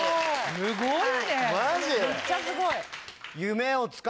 すごいな。